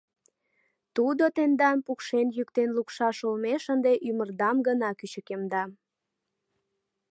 Тудо тендам пукшен-йӱктен лукшаш олмеш ынде ӱмырдам гына кӱчыкемда.